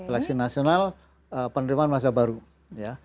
seleksi nasional penerimaan masa baru ya